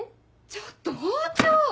ちょっと包丁！